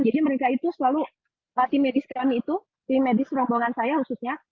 jadi mereka itu selalu tim medis kami itu tim medis rombongan saya khususnya